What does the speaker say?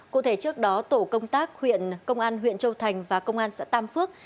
cụ thể trước đó tổ công tác huyện châu thành và công an xã tam phước